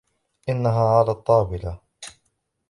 إنها علي الطاولة.